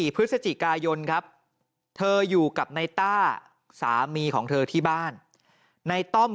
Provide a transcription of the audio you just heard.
พฤศจิกายนครับเธออยู่กับในต้าสามีของเธอที่บ้านในต้อม